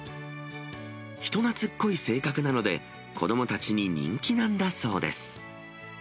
人なつっこい性格なので、子どもたちに人気なんだそうです。